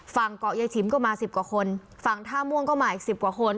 ฝั่งเกาะยายฉิมก็มาสิบกว่าคนฝั่งท่าม่วงก็มาอีกสิบกว่าคน